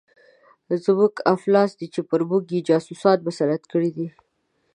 زموږ افلاس دی چې پر موږ یې جاسوسان مسلط کړي دي.